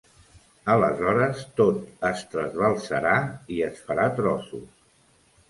Aleshores tot es trasbalsarà i es farà trossos…